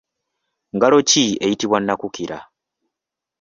Ngalo ki eyitibwa nakukira?